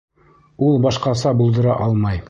Ул башҡаса булдыра алмай.